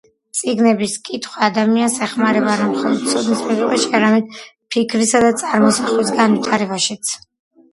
წიგნების კითხვა ადამიანს ეხმარება არა მხოლოდ ცოდნის მიღებაში, არამედ ფიქრის და წარმოსახვის განვითარებაშიც.